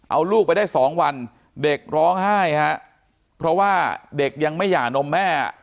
เอาลูกไปได้สองวันเด็กร้องไห้ฮะเพราะว่าเด็กยังไม่หย่านมแม่